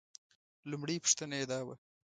لومړۍ پوښتنه یې دا وه.